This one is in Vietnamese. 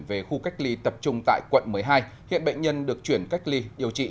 về khu cách ly tập trung tại quận một mươi hai hiện bệnh nhân được chuyển cách ly điều trị